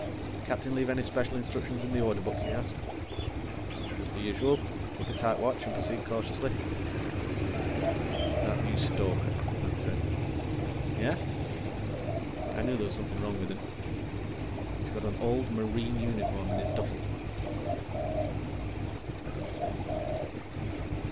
"Captain leave any special instructions in the Order Book?" he asked. "Just the usual. Keep a tight watch and proceed cautiously." "That new stoker," Mac said. "Yeah?" "I knew there was something wrong with him. He's got an old Marine uniform in his duffel." I didn't say anything.